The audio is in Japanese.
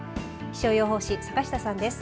気象予報士、坂下さんです。